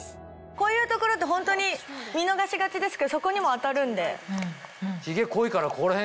こういう所ってホントに見逃しがちですけどそこにも当たるんで。